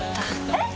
えっ！！